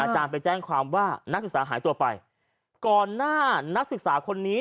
ทำไมนักศึกษาตัวเองหายไปวันที่๓๑